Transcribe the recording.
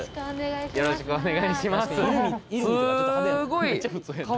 よろしくお願いします